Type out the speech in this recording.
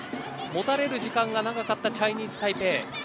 持たれる時間が長かったチャイニーズタイペイ。